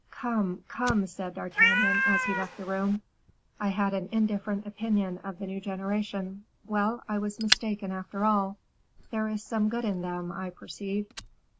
"Come, come," said D'Artagnan, as he left the room, "I had an indifferent opinion of the new generation. Well, I was mistaken after all. There is some good in them, I perceive."